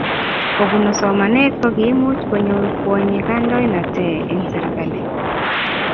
kopunu somanet kokiimuch konyoru kwonyik kantoinatee en serkalii